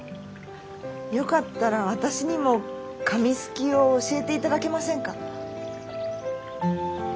よかったら私にも紙すきを教えていただけませんか？